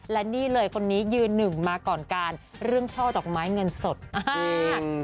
และนี่เลยคนนี้ยืนหนึ่งมาก่อนการเรื่องช่อดอกไม้เงินสดมาก